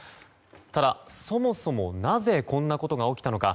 ただ、そもそもなぜこんなことが起きたのか。